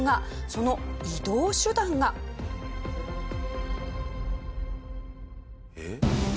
その移動手段が。えっ？